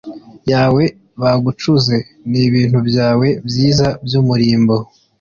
yawe bagucuze n ibintu byawe byiza by umurimbo